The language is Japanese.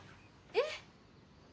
えっ？